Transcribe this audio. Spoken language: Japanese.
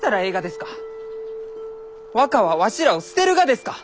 若はわしらを捨てるがですか？